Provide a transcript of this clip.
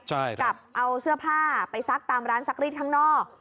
ใช่กับเอาเสื้อผ้าไปซักตามร้านซักรีดข้างนอก